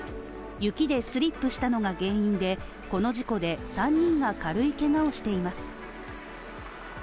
雪でスリップしたのが原因でこの事故で３人が軽いけがをしています。